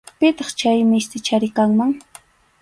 Pitaq chay mistichari kanman.